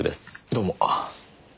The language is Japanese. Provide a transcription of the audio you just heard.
どうも。